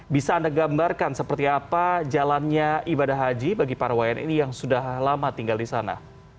bisa anda gambarkan seperti apa jalannya ibadah haji bagi para wni yang sudah lama tinggal di sana